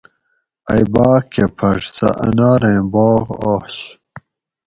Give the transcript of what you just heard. ائ باۤغ کہ پھڄ سہ اناریں باغ آش